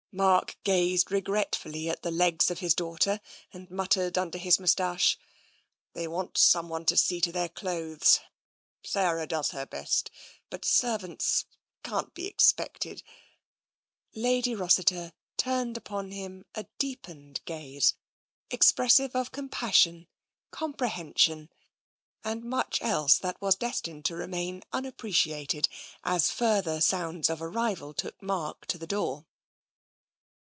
Mark gazed regret fully at the legs of his daughter and muttered under his moustache: "They want someone to see to their clothes. Sarah does her best, but servants can't be expected " Lady Rossiter turned upon him a deepened gaze expressive of compassion, comprehension, and much 78 TENSION else that was destined to remain unappreciated, as further sounds of arrival took Mark to the door.